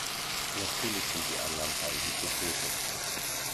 Natürlich sind die Annahmen rein hypothetisch.